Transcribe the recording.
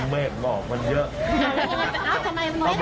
เมฆหมอกมันเยอะ